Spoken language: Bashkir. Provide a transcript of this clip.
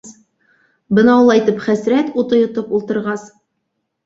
Бынаулайтып хәсрәт уты йотоп ултырғас...